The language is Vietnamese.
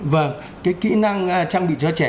vâng cái kỹ năng trang bị cho trẻ